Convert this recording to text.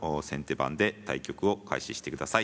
番で対局を開始してください。